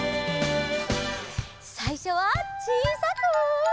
さいしょはちいさく。